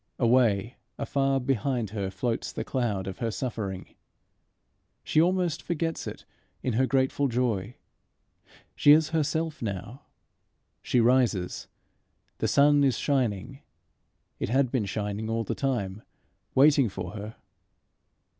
Away, afar behind her floats the cloud of her suffering. She almost forgets it in her grateful joy. She is herself now. She rises. The sun is shining. It had been shining all the time waiting for her.